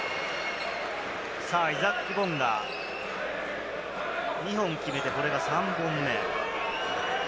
イザック・ボンガ、２本決めて、これが３本目。